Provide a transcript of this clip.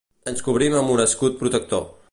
Ens cobrim amb un escut protector.